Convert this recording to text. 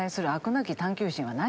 なき探究心は何？